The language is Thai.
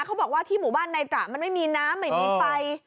เขาบอกว่าที่หมู่บ้านในตระมันไม่มีน้ำไม่มีไฟ